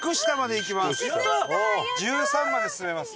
１３まで進めます。